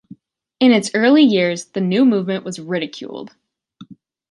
In its early years the new movement was ridiculed.